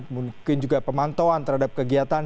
mungkin juga pemantauan terhadap kegiatan